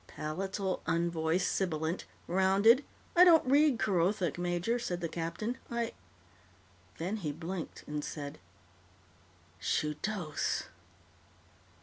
Palatal unvoiced sibilant, rounded " "I don't read Kerothic, major," said the captain. "I " Then he blinked and said, "_Shudos!